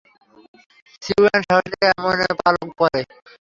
সিউয়ান সাহসীরা এমন পালক পরে।